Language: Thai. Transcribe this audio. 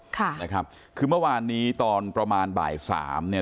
ค่ะนะครับคือเมื่อวานนี้ตอนประมาณบ่ายสามเนี่ย